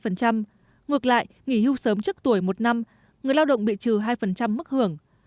ngược lại nghỉ hưu sớm trước tuổi một năm người lao động bị trừ hai mức hưởng